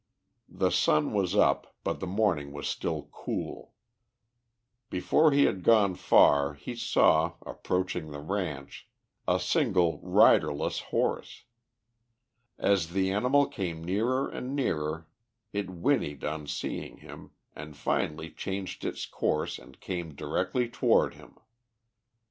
The sun was up, but the morning was still cool. Before he had gone far he saw, approaching the ranch, a single riderless horse. As the animal came nearer and nearer it whinnied on seeing him, and finally changed its course and came directly toward him.